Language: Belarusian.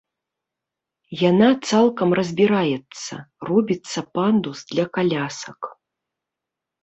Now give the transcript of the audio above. Яна цалкам разбіраецца, робіцца пандус для калясак.